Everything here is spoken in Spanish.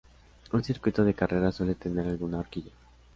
Un circuito de carreras suele tener alguna horquilla.